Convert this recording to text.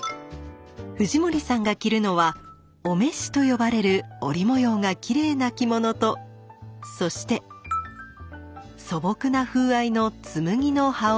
藤森さんが着るのは「お召し」と呼ばれる織り模様がきれいな着物とそして素朴な風合いの「紬」の羽織。